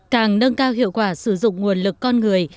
càng nâng cao hiệu quả sử dụng nguồn lực con người